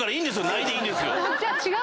「ない」でいいんですよ。